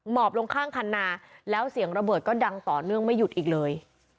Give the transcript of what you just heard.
หมอบลงข้างคันนาแล้วเสียงระเบิดก็ดังต่อเนื่องไม่หยุดอีกเลย